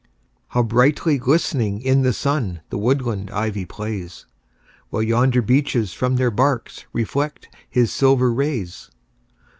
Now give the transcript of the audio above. How brightly glistening in the sun The woodland ivy plays! While yonder beeches from their barks Reflect his silver rays.